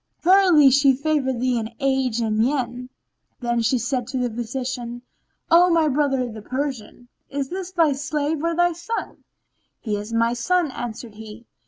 Verily, she favoureth thee in age and mien." Then said she to the physician, "O my brother the Persian, is this thy slave or thy son?" "He is my son," answered he.